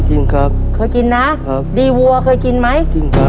ครับเคยกินนะดีวัวเคยกินไหม